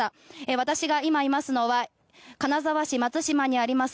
私が今いますのは金沢市松島にあります